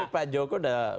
pak joko udah senior itu